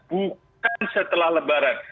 bukan setelah lebaran